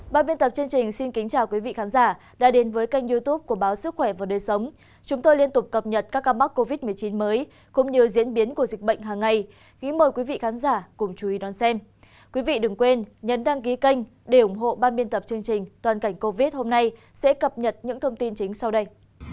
các bạn hãy đăng ký kênh để ủng hộ ban biên tập chương trình toàn cảnh covid hôm nay sẽ cập nhật những thông tin chính sau đây